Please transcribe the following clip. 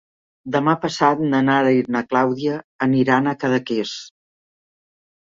Demà passat na Nara i na Clàudia aniran a Cadaqués.